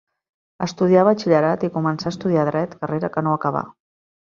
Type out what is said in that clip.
Estudià batxillerat i començà a estudiar dret, carrera que no acabà.